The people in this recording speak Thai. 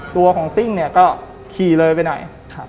ตัวของซิ่งเนี่ยก็ขี่เลยไปหน่อย